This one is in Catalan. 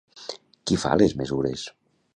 Qui fa les mesures?